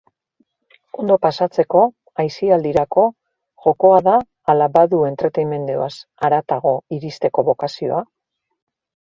Ondo pasatzeko, aisialdirako, jokoa da ala badu entretenimenduaz haratago iristeko bokazioa?